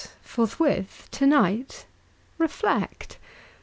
forthwith? tonight? Reflect.